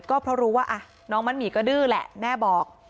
ก็เพราะรู้ว่าน้องมัดหมี่ก็ดื้อแหละแม่บอก